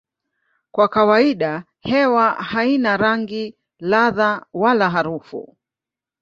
Kwa kawaida hewa haina rangi, ladha wala harufu.